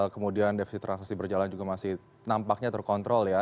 kemudian defisit transaksi berjalan juga masih nampaknya terkontrol ya